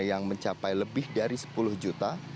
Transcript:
yang mencapai lebih dari sepuluh juta